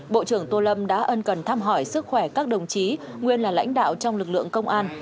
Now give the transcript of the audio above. bộ trưởng tô lâm đã ân cần thăm hỏi sức khỏe các đồng chí nguyên là lãnh đạo trong lực lượng công an